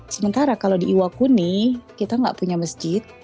sementara kalau di iwakuni kita nggak punya masjid